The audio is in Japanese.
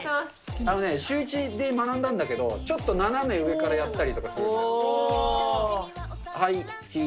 あのね、シューイチで学んだんだけど、ちょっと斜め上からやったりとかおー。